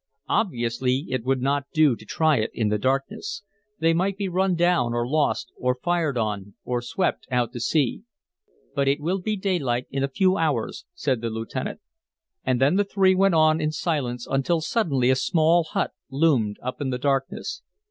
Obviously, it would not do to try it in the darkness. They might be run down or lost or fired on or swept out to sea. "But it will be daylight in a few hours," said the lieutenant. And then the three went on in silence until suddenly a small hut loomed up in the darkness.